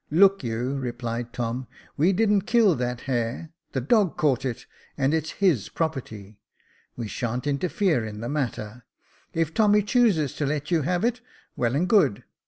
" Look you," replied Tom, " we didn't kill that hare, the dog caught it, and it is his property. We sba'n't inter fere in the matter. If Tommy chooses to let you have it, well and good.